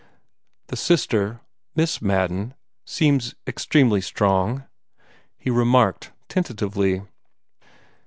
"The sister Miss Madden seems extremely strong," he remarked tentatively.